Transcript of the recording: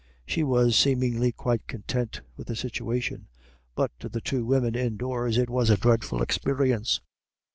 She was seemingly quite content with the situation. But to the two women indoors it was a dreadful experience.